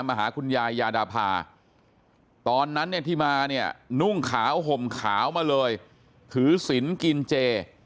มาหาคุณยายยาดาพาตอนนั้นที่มานุ่งขาวห่มขาวมาเลยถือสินกินเจ